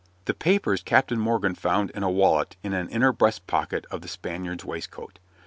The papers Captain Morgan found in a wallet in an inner breast pocket of the Spaniard's waistcoat.